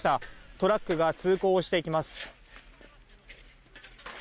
トラックが通行をしていきます。